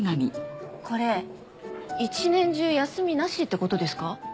これ一年中休みなしってことですか？